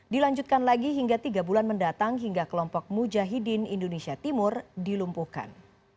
dilanjutkan lagi hingga tiga bulan mendatang hingga kelompok mujahidin indonesia timur dilumpuhkan